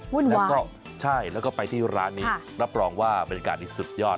แล้วก็ใช่แล้วก็ไปที่ร้านนี้รับรองว่าบรรยากาศนี้สุดยอด